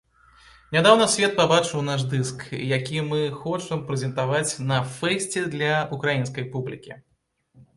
Нядаўна свет пабачыў наш дыск, які мы хочам прэзентаваць на фэсце для ўкраінскай публікі.